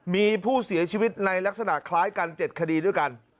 มีผู้เสียชีวิตในลักษณะคล้ายกัน๗คดีด้วยกัน